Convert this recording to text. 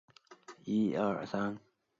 奥莫尔是瑞典的一座城市。